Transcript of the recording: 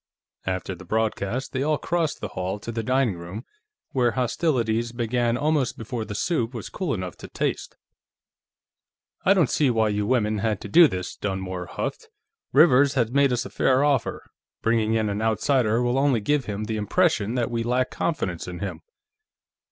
After the broadcast, they all crossed the hall to the dining room, where hostilities began almost before the soup was cool enough to taste. "I don't see why you women had to do this," Dunmore huffed. "Rivers has made us a fair offer. Bringing in an outsider will only give him the impression that we lack confidence in him."